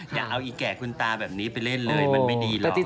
อย่าเอาอีกแก่คุณตาแบบนี้ไปเล่นเลยมันไม่ดีหรอก